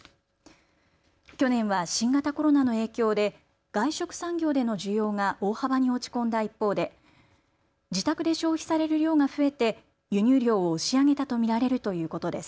去年は新型コロナの影響で外食産業での需要が大幅に落ち込んだ一方で自宅で消費される量が増えて輸入量を押し上げたとみられるということです。